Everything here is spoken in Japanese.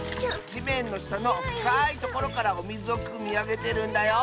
じめんのしたのふかいところからおみずをくみあげてるんだよ。